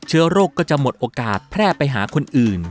เชื้อโรคก็จะหมดโอกาสแพร่ไปหาคนอื่น